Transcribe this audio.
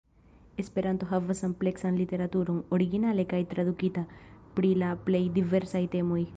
Esperanto havas ampleksan literaturon, originale kaj tradukita, pri la plej diversaj temoj.